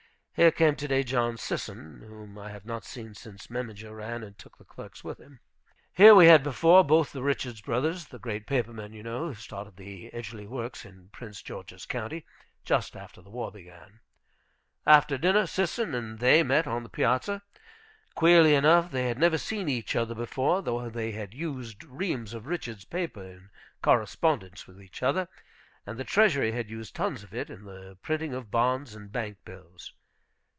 Here came to day John Sisson, whom I have not seen since Memminger ran and took the clerks with him. Here we had before, both the Richards brothers, the great paper men, you know, who started the Edgerly Works in Prince George's County, just after the war began. After dinner, Sisson and they met on the piazza. Queerly enough, they had never seen each other before, though they had used reams of Richards' paper in correspondence with each other, and the treasury had used tons of it in the printing of bonds and bank bills.